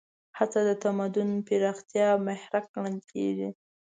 هڅه د تمدن د پراختیا محرک ګڼل کېږي.